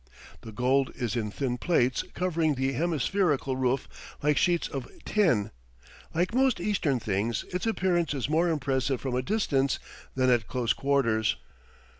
The gold is in thin plates covering the hemispherical roof like sheets of tin; like most Eastern things, its appearance is more impressive from a distance than at close quarters.